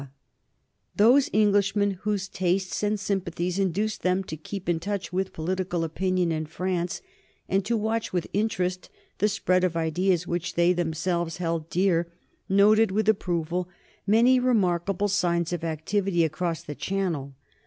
[Sidenote: 1789 Revival of the States General in France] Those Englishmen whose tastes and sympathies induced them to keep in touch with political opinion in France, and to watch with interest the spread of ideas which they themselves held dear, noted with approval many remarkable signs of activity across the Channel.